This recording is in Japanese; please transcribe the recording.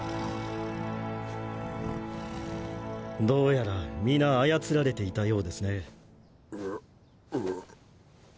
どうやら皆操られていたようですね。